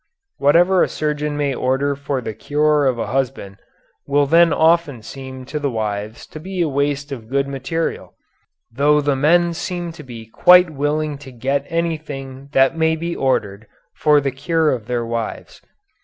Whatever a surgeon may order for the cure of a husband then will often seem to the wives to be a waste of good material, though the men seem to be quite willing to get anything that may be ordered for the cure of their wives.